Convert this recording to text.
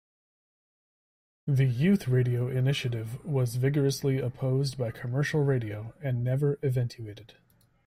The youth radio initiative was vigorously opposed by commercial radio and never eventuated.